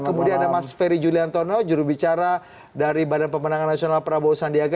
kemudian ada mas ferry juliantono jurubicara dari badan pemenangan nasional prabowo sandiaga